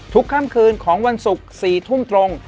ค่ำคืนของวันศุกร์๔ทุ่มตรง